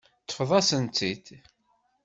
Teṭṭfeḍ-asen-tt-id.